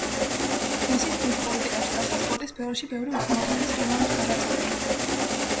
მისი თქმით, პოლიტიკაში წასვლა სპორტის სფეროში ბევრი უსამართლობის ხილვამ გადააწყვეტინა.